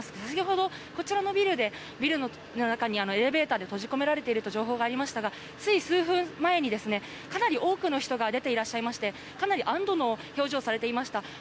先ほど、こちらのビルの中にエレベーターに閉じ込められているという情報がありましたがつい数分前に、かなり多くの人が出ていらっしゃいましてかなり安堵の表情をされていました。